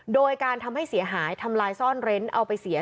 โดยการทำให้เสียหายทำลายซ่อนเร้นเอาไปเสีย